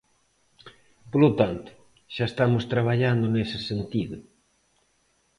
Polo tanto, xa estamos traballando nese sentido.